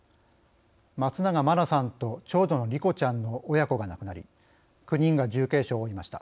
松永真菜さんと長女の莉子ちゃんの親子が亡くなり９人が重軽傷を負いました。